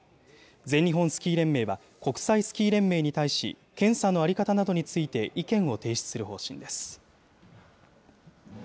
全日本スキー連盟は国際スキー連盟に対し検査の在り方などについて意見を提出する方針です。